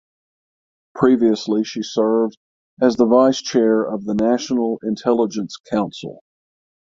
Previously she served as the Vice Chair of the National Intelligence Council.